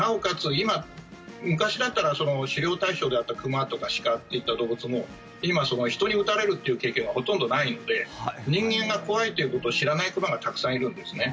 今、昔だったら狩猟対象であった熊とか鹿といった動物も今、人に撃たれるという経験がほとんどないので人間が怖いということを知らない熊がたくさんいるんですね。